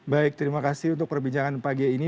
baik terima kasih untuk perbincangan pagi ini